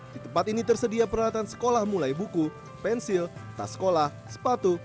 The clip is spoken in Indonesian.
di tempat ini tersedia peralatan sekolah mulai buku pensil tas sekolah sepatu